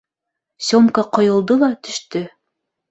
Сёмка ҡойолдо ла төштө.